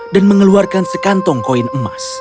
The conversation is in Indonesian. dan mengeluarkan sekantong koin emas